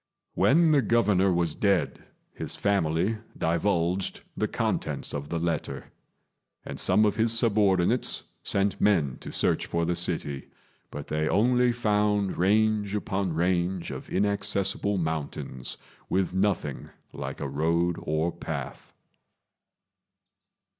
When the Governor was dead, his family divulged the contents of the letter; and some of his subordinates sent men to search for the city, but they only found range upon range of inaccessible mountains, with nothing like a road or path.